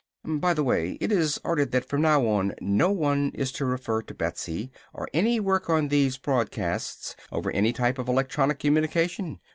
"By the way, it is ordered that from now on no one is to refer to Betsy or any work on these broadcasts, over any type of electronic communication.